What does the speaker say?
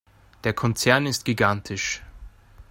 Der Konzern ist gigantisch.